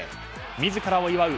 自らを祝う